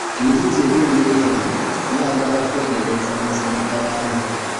Ebibuuzo ebyengeri eno byagala kwegendereza mu nsengeka yaabyo.